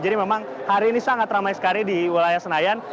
jadi memang hari ini sangat ramai sekali di wilayah senayan